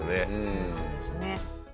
そうなんですね。